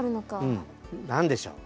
うん。何でしょう？